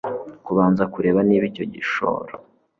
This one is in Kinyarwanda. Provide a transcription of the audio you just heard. kubanza kureba niba icyo gishoro